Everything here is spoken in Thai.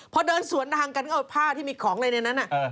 พอเดินสวนทางกันก็เอาผ้าที่มีของอะไรในนั้น